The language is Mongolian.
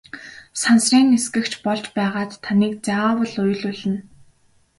Сансрын нисэгч болж байгаад таныг заавал уйлуулна!